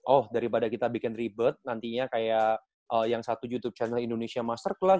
oh daripada kita bikin ribet nantinya kayak yang satu youtube channel indonesia master lah